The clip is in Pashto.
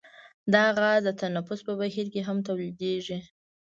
دا غاز د تنفس په بهیر کې هم تولیدیږي.